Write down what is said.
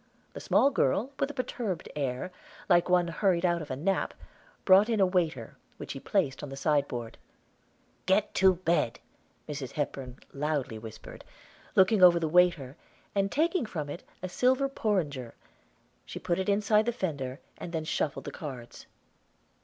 The small girl, with a perturbed air, like one hurried out of a nap, brought in a waiter, which she placed on the sideboard. "Get to bed," Mrs. Hepburn loudly whispered, looking over the waiter, and taking from it a silver porringer, she put it inside the fender, and then shuffled the cards.